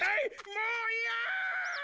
もういや！